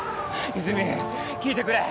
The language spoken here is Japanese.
泉聞いてくれ。